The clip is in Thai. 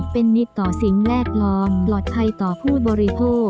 เป็นมิตรต่อสิ่งแวดล้อมปลอดภัยต่อผู้บริโภค